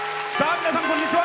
皆さん、こんにちは。